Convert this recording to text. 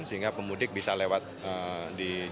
sehingga pemudik bisa lewat di jalan